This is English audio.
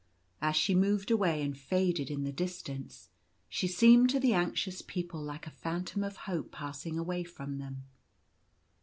As she moved away and faded in the distance, she seemed to the anxious people like a phantom of Hope passing away from them.